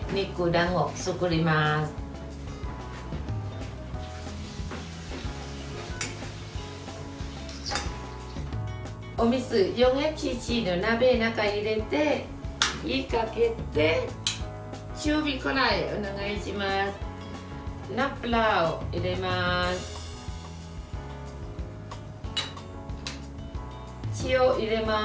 ナムプラーを入れます。